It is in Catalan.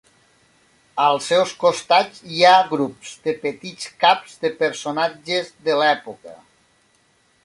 Als seus costats hi ha grups de petits caps de personatges de l'època.